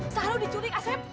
saharu diculik asep